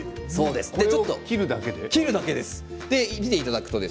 切るだけです。